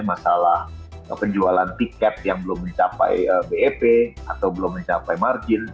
masalah penjualan tiket yang belum mencapai bep atau belum mencapai margin